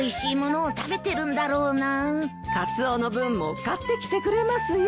カツオの分も買ってきてくれますよ。